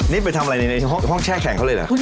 นี่ไปทำอะไรในห้องแช่แข่งเขาเลยเหรอ